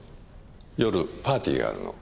夜パーティーがあるの。